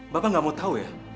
bapak gak mau tau ya